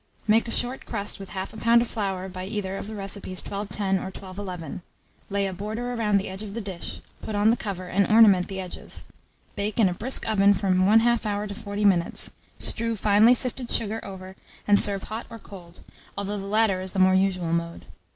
Make a short crust with 1/2 lb. of flour, by either of the recipes 1210 or 1211; lay a border round the edge of the dish; put on the cover, and ornament the edges; bake in a brisk oven from 1/2 hour to 40 minutes; strew finely sifted sugar over, and serve hot or cold, although the latter is the more usual mode.